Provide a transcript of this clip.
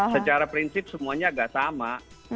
secara prinsip semuanya agak sama